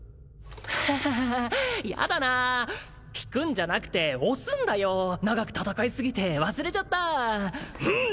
ハハハヤダなあ引くんじゃなくて押すんだよ長く戦いすぎて忘れちゃったフン！